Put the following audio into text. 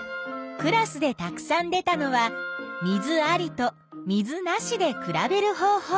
クラスでたくさん出たのは水ありと水なしで比べる方法。